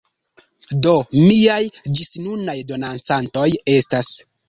Do miaj ĝisnunaj donacantoj estas